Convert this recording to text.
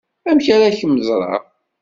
Amek ara kem-ẓreɣ?